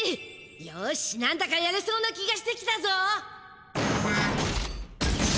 よしなんだかやれそうな気がしてきたぞ！